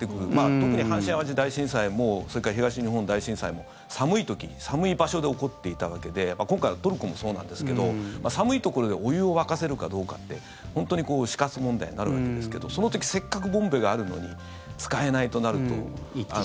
特に、阪神・淡路大震災もそれから東日本大震災も寒い時、寒い場所で起こっていたわけで今回はトルコもそうなんですけど寒いところでお湯を沸かせるかどうかって本当に死活問題になるわけですけどその時せっかくボンベがあるのに使えないとなると。